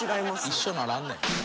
一緒ならんねん。